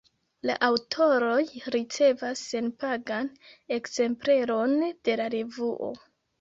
La aŭtoroj ricevas senpagan ekzempleron de la revuo.